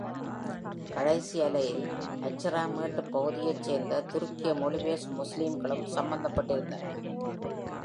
கடைசி அலையில் Adjara மேட்டுப் பகுதியைச் சேர்ந்த துருக்கிய மொழி பேசும் முஸ்லீம்களும் சம்பந்தப்பட்டிருந்தனர்.